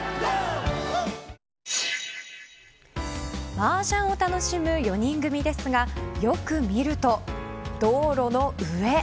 マージャンを楽しむ４人組ですがよく見ると道路の上。